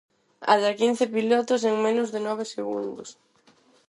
Ata quince pilotos en menos de nove segundos.